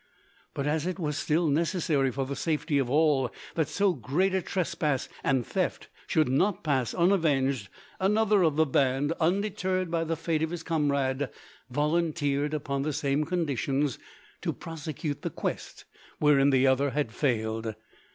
But as it was still necessary for the safety of all that so great a trespass and theft should not pass unavenged, another of the band, undeterred by the fate of his comrade, volunteered upon the same conditions to prosecute the quest wherein the other had failed.